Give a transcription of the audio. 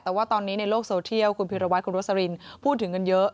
แต่ว่าตอนนี้ในโลกโซเทียลคุณพิรวัตรคุณโรสลินพูดถึงกันเยอะ